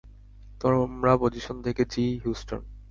তোমরা পজিশন থেকে জ্বি, হিউস্টন!